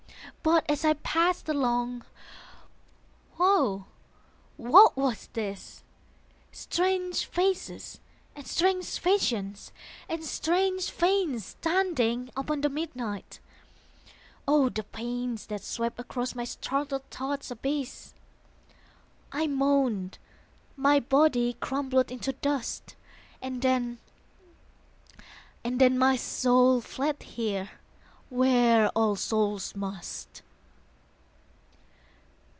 But as I passed along, woe! what was this, Strange faces and strange fashions and strange fanes Standing upon the midnight; Oh, the pains That swept across my startled thought's abyss! I moaned. My body crumbled into dust. And then my soul fled Here where all souls must.